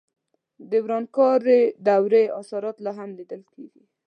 د ورانکارې دورې اثرات لا هم لیدل کېدل.